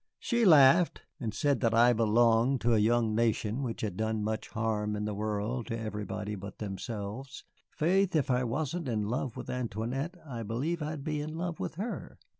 "She laughed, and said that I belonged to a young nation which had done much harm in the world to everybody but themselves. Faith, if I wasn't in love with Antoinette, I believe I'd be in love with her."